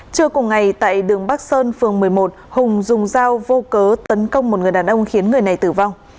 trưa cùng ngày tại đường bắc sơn phường một mươi một hùng dùng dao vô cớ tấn công một người đàn ông khiến người này tử vong